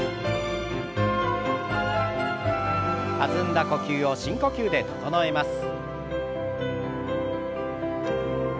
弾んだ呼吸を深呼吸で整えます。